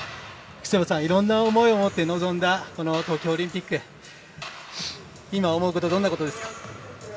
福島さんはいろんな思いを持って臨んだ東京オリンピック今、思うことはどんなことですか？